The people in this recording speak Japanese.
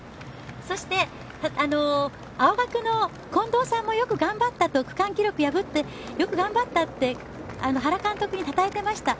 そして、青学の近藤さんもよく頑張ったと区間記録を破ってよく頑張ったって原監督、たたえていました。